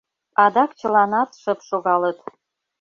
Адак чыланат шып шогалыт.